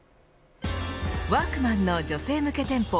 ワークマンの女性向け店舗